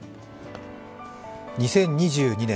２０２２年